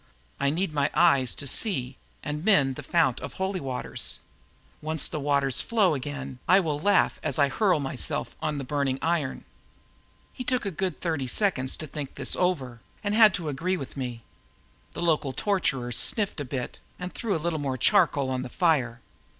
I need my eyes to see and mend the Fount of Holy Waters. Once the waters flow again, I will laugh as I hurl myself on the burning iron." He took a good thirty seconds to think it over and had to agree with me. The local torturer sniffled a bit and threw a little more charcoal on the fire.